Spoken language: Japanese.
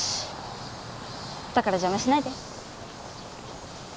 だから邪魔しないで。